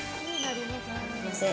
すみません。